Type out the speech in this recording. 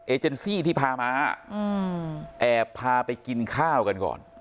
เจนซี่ที่พาม้าแอบพาไปกินข้าวกันก่อน